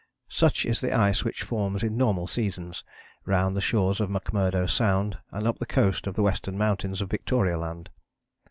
Such is the ice which forms in normal seasons round the shores of McMurdo Sound, and up the coast of the western mountains of Victoria Land.